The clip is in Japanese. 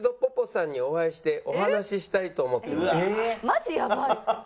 マジやばい！